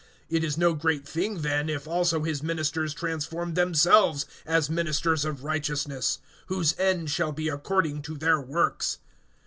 (15)It is no great thing then, if also his ministers transform themselves as ministers of righteousness; whose end shall be according to their works.